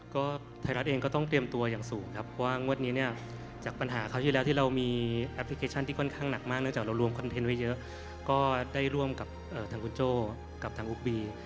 ก็ไทยรัฐเองก็ต้องเตรียมตัวอย่างสูงครับว่างวดนี้เนี่ยจากปัญหาคราวที่แล้วที่เรามีแอปพลิเคชันที่ค่อนข้างหนักมากเนื่องจากเรารวมคอนเทนต์ไว้เยอะก็ได้ร่วมกับทางคุณโจ้กับทางอุ๊บบี